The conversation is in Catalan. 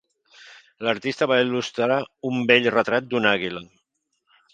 L'artista va il·lustrar un bell retrat d'una àguila.